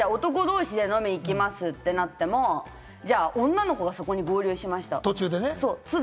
男同士で飲み行きますってなっても、女の子はそこに合流しました。